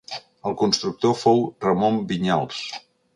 El constructor fou Ramon Vinyals.